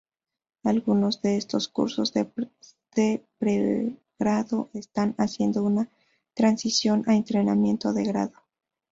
Algunos de estos cursos de pregrado están haciendo una transición a entrenamiento de grado.